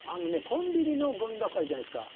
コンビニのごみ箱あるじゃないですか。